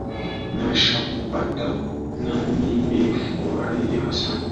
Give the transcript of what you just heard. Nishakupata na nimefurahia sana